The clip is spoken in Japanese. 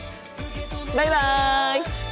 バイバイ！